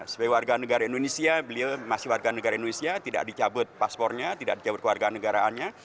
sebagai warga negara indonesia beliau masih warga negara indonesia tidak dicabut paspornya tidak dicabut keluarga negaraannya